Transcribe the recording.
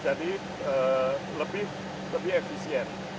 jadi lebih efisien